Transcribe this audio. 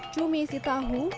cumi isi tahu